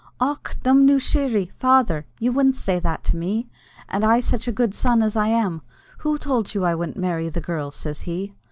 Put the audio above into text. "Och! Domnoo Sheery! father, you wouldn't say that to me, and I such a good son as I am. Who told you I wouldn't marry the girl?" says he.